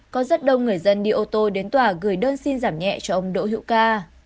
có rất đông người dân đi ô tô đến tòa gửi đơn xin giảm nhẹ cho ông đỗ hữu ca